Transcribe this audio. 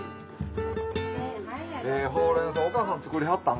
ええほうれん草お母さん作りはったん？